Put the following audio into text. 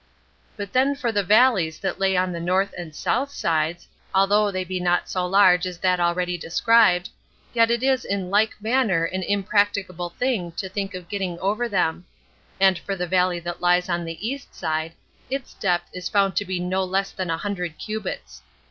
But then for the valleys that lay on the north and south sides, although they be not so large as that already described, yet it is in like manner an impracticable thing to think of getting over them; and for the valley that lies on the east side, its depth is found to be no less than a hundred cubits.